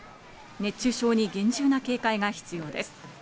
熱中症に厳重な警戒が必要です。